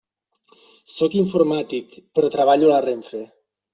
Sóc informàtic, però treballo a la RENFE.